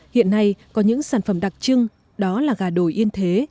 hiện nay có những sản phẩm đặc trưng đó là gà đồi yên thế